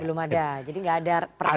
belum ada jadi enggak ada peran apa